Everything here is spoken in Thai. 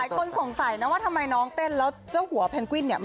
การทำ